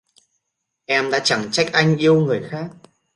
Em đã chẳng trách anh yêu người khác